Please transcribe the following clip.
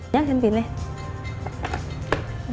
nhấc chân vịt lên